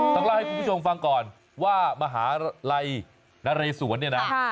ต้องเล่าให้คุณผู้ชมฟังก่อนว่ามหาลัยนเรศวรเนี่ยนะ